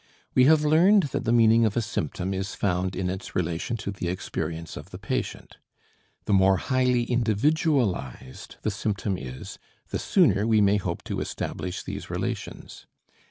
We have learned that the meaning of a symptom is found in its relation to the experience of the patient. The more highly individualized the symptom is, the sooner we may hope to establish these relations.